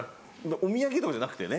お土産とかじゃなくてね。